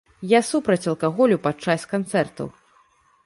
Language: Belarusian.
Я супраць алкаголю падчас канцэртаў.